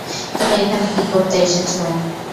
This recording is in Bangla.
তুমি এখানে কী করতে এসেছ?